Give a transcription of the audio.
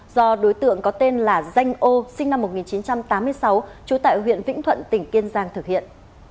do đối tượng có tên là danh o sinh năm một nghìn chín trăm tám mươi sáu trú tại huyện vĩnh thuận tỉnh kiên giang thực hiện